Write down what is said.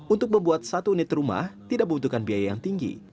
untuk membuat satu unit rumah tidak membutuhkan biaya yang tinggi